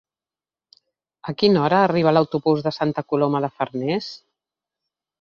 A quina hora arriba l'autobús de Santa Coloma de Farners?